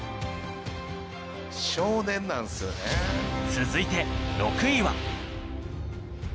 続いて６位は